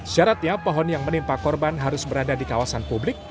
syaratnya pohon yang menimpa korban harus berada di kawasan publik